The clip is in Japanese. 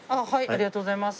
ありがとうございます。